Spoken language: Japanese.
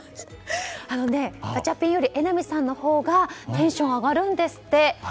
ガチャピンより榎並さんのほうがテンション上がるんですって。